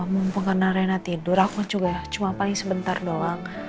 mumpung karena rena tidur aku juga cuma paling sebentar doang